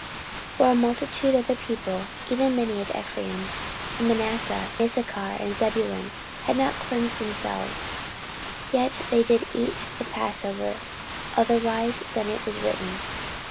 14:030:018 For a multitude of the people, even many of Ephraim, and Manasseh, Issachar, and Zebulun, had not cleansed themselves, yet did they eat the passover otherwise than it was written.